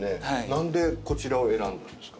なんでこちらを選んだんですか？